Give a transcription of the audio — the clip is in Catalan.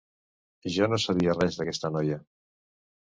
Jo no sabia res d'aquesta noia.